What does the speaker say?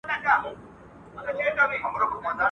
o کار تر کار تېر دئ.